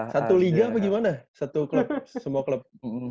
satu liga apa gimana satu klub semua klub